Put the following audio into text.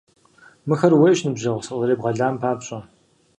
Мыхэр ууейщ, ныбжьэгъу, сыкъызэребгъэлам папщӀэ!